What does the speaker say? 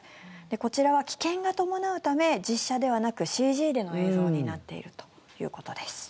こちらは危険が伴うため実写ではなくＣＧでの映像になっているということです。